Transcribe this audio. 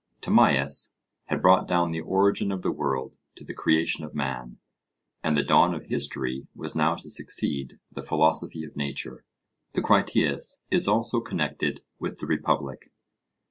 Timaeus had brought down the origin of the world to the creation of man, and the dawn of history was now to succeed the philosophy of nature. The Critias is also connected with the Republic.